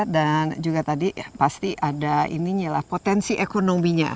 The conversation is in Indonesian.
dan juga tadi pasti ada ini ya potensi ekonominya